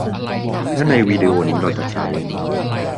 และในวิดีโอนี้ เราจะใช้